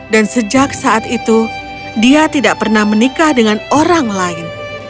dan sejak saat itu dia tidak pernah menikah dengan orang lain